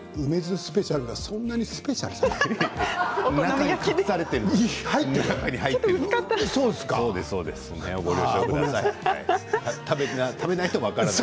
スペシャルはそんなにスペシャルじゃない。